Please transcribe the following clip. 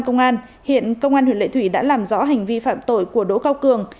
công an huyện lệ thủy đã làm rõ hành vi phạm tội của đỗ cao cường